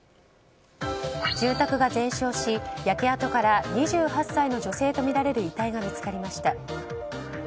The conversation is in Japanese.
住宅が全焼し焼け跡から２８歳の女性とみられる遺体が見つかりました。